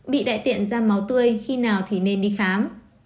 bị đại tiện ra máu tươi khi nào thì nên đi khám